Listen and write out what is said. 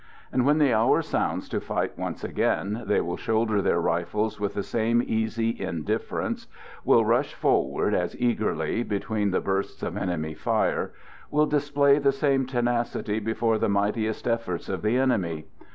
And when the hour sounds to fight once again, they will shoulder their rifles with the same easy indifference, will rush forward as eagerly between the bursts of enemy fire, will display the same tenacity before the mightiest efforts of the enemy.